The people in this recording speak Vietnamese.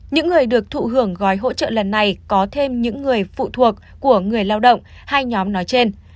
những người được thụ hưởng gói hỗ trợ lần này có thêm những người phụ thuộc của người lao động hai nhóm nói trên